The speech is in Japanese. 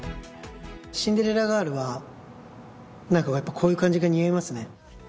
シンデレラガールは、なんかやっぱこういう感じが似合いますね。